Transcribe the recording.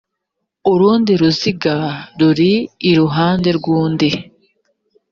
urundi ruziga ruri iruhande rw undi